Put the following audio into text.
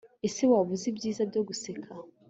Ese waba uzi ibyiza byo guseka